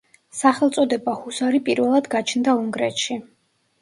სახელწოდება ჰუსარი პირველად გაჩნდა უნგრეთში.